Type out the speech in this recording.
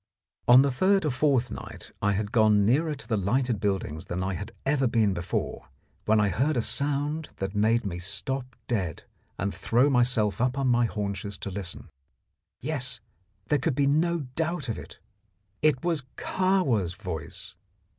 On the third or fourth night I had gone nearer to the lighted buildings than I had ever been before, when I heard a sound that made me stop dead and throw myself up on my haunches to listen. Yes, there could be no doubt of it! It was Kahwa's voice.